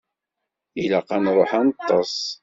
Ilaq ad nṛuḥ ad neṭṭeṣ.